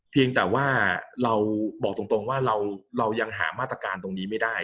เพียงแต่ว่าเราบอกตรงว่าเรายังหามาตรการตรงนี้ไม่ได้